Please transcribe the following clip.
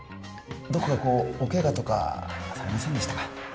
どこかおケガとかされませんでしたか？